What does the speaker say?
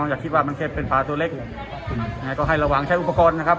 อย่าคิดว่ามันแค่เป็นปลาตัวเล็กยังไงก็ให้ระวังใช้อุปกรณ์นะครับ